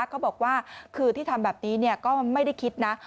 เขาบอกว่าคือที่ทำแบบนี้ก็ไม่ได้คิดนะ